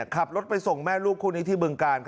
ขับรถไปส่งแม่ลูกคู่นี้ที่บึงกาล